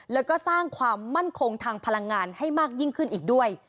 แล้วก็สร้างความมั่นคงทางพลังงานให้มากยิ่งขึ้นอีกด้วย